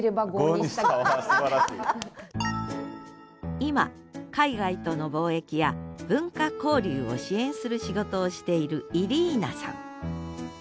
今海外との貿易や文化交流を支援する仕事をしているイリーナさん。